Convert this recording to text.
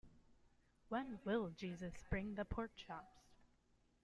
When Will Jesus Bring the Pork Chops?